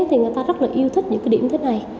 thì người ta rất là yêu thích những cái điểm thích này